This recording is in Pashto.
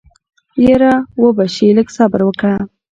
يره وبه شي لږ صبر وکه.